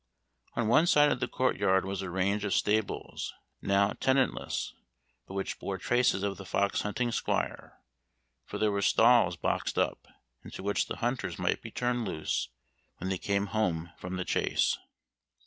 On one side of the court yard was a range of stables, now tenantless, but which bore traces of the fox hunting squire; for there were stalls boxed up, into which the hunters might be turned loose when they came home from the chase.